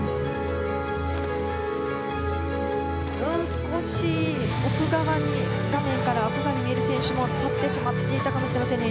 少し画面から奥側に見える選手が立ってしまっていたかもしれませんね。